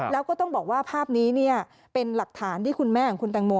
แล้วก็ต้องบอกว่าภาพนี้เป็นหลักฐานที่คุณแม่ของคุณแตงโม